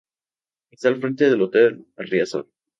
Esta en frente del hotel Riazor.